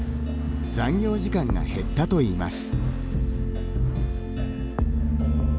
残業時間が減ったといいます。